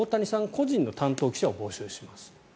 個人の担当記者を募集しますと。